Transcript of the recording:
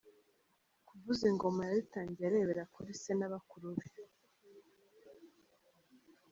Kuvuza ingoma yabitangiye arebera kuri se na bakuru be .